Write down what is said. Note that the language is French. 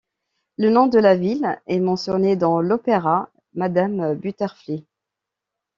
Le nom de la ville est mentionné dans l'opéra Madame Butterfly.